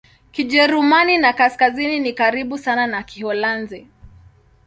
Kijerumani ya Kaskazini ni karibu sana na Kiholanzi.